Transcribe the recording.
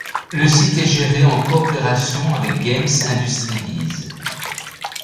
Le site est géré en coopération avec GamesIndustry.biz.